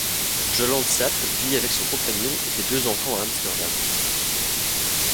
Jolande Sap vit avec son compagnon et ses deux enfants à Amsterdam.